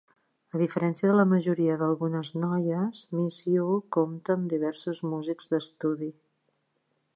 A diferència de la majoria d'"Algunes noies", "Miss You" compta amb diversos músics d'estudi.